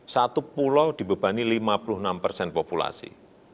satu pulau dibebani lima puluh enam persen populasi